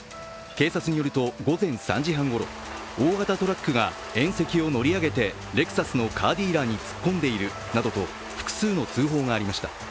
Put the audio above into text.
警察によると午前３時半ごろ大型トラックが縁石を乗り上げてレクサスのカーディーラーに突っ込んでいるなどと複数の通報がありました。